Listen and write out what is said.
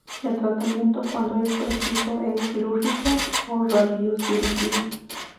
El tratamiento, cuando es preciso, es quirúrgico o Radiocirugía.